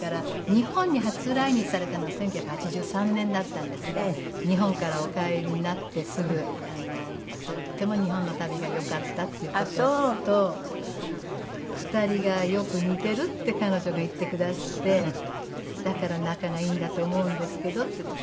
日本に初来日されたのが１９８３年だったんですが日本からお帰りになってすぐとっても日本の旅がよかったっていう事と「２人がよく似てる」って彼女が言ってくだすって「だから仲がいいんだと思うんですけど」っていって。